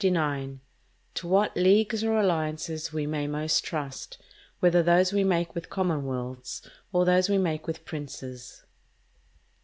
—To what Leagues or Alliances we may most trust; whether those we make with Commonwealths or those we make with Princes.